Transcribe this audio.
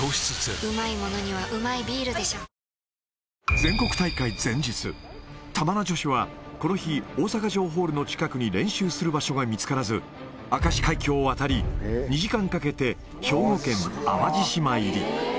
全国大会前日、玉名女子はこの日、大阪城ホールの近くに練習する場所が見つからず、明石海峡を渡り、２時間かけて兵庫県淡路島入り。